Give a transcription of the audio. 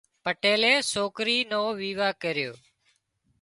پٽيلي سوڪرِي نو ويوا ڪريو